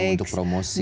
medium untuk promosi